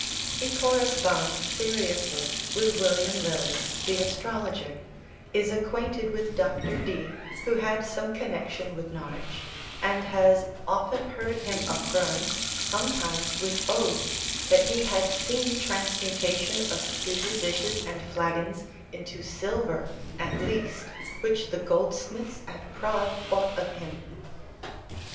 He corresponds seriously with William Lily, the astrologer; is acquainted with Dr. Dee, who had some connexion with Norwich, and has "often heard him affirm, sometimes with oaths, that he had seen transmutation of pewter dishes and flagons into silver (at least) which the goldsmiths at Prague bought of him."